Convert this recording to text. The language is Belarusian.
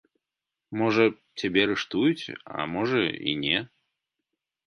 Можа, цябе арыштуюць, а можа, і не.